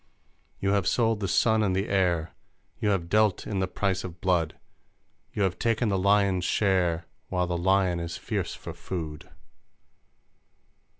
You have sold the sun and the air, You have dealt in the price of blood, You have taken the lion's share While the lion is fierce for food!